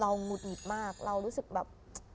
หงุดหงิดมากเรารู้สึกแบบ